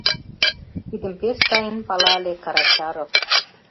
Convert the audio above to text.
Тидым пеш сайын пала ыле Карачаров.